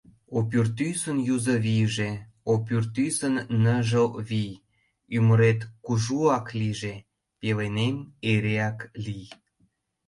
О пӱртӱсын юзо вийже, О пӱртӱсын ныжыл вий, Ӱмырет кужуак лийже, Пеленем эреак лий!